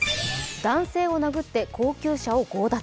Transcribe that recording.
男性を殴って高級車を強奪。